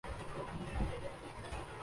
کیا N D M A نے یہ بنایا